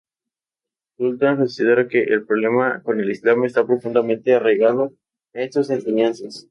Sultan considera que ""El problema con el Islam está profundamente arraigado en sus enseñanzas.